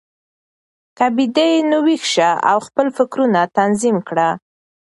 که بیده یې، نو ویښ شه او خپل فکرونه تنظیم کړه.